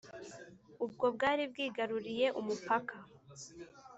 ubwo bwari bwigaruriye umupaka